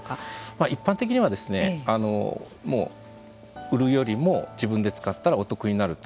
まあ一般的にはですねもう売るよりも自分で使ったらお得になると。